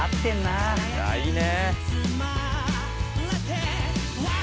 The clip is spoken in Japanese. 「ああいいね」